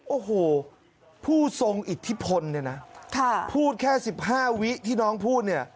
โอ้โหผู้ทรงอิทธิพลเนี่ยนะพูดแค่๑๕วิที่น้องพูดเนี่ย